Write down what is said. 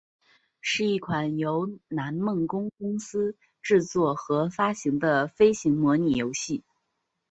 是一款由南梦宫公司制作和发行的飞行模拟游戏。